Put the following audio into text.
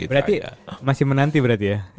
berarti masih menanti berarti ya